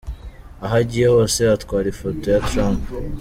Aho agiye hose atwara ifoto ya Trump.